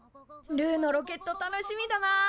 ルーのロケット楽しみだなあ。